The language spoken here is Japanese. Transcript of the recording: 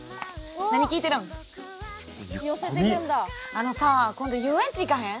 あのさ今度遊園地行かへん？